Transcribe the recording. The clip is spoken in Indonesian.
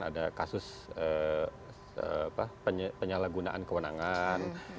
ada kasus penyalahgunaan kewenangan